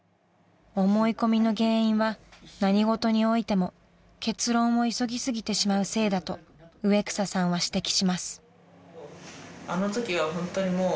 ［思い込みの原因は何事においても結論を急ぎ過ぎてしまうせいだと植草さんは指摘します］